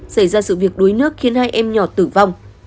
xảy ra sự việc đuối nước khiến hai em nhỏ tử vong